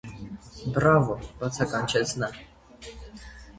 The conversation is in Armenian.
- Բռա՜վո,- բացականչեց նա: